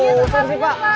masa dulu pak